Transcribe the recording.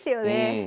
うん。